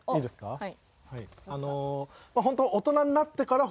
はい。